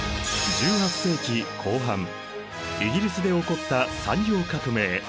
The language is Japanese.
１８世紀後半イギリスで起こった産業革命。